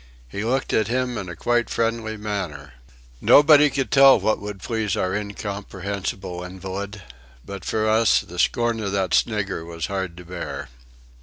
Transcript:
He looked at him in a quite friendly manner. Nobody could tell what would please our incomprehensible invalid: but for us the scorn of that snigger was hard to bear.